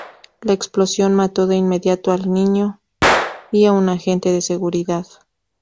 La explosión mató de inmediato a un niño y a un agente de seguridad.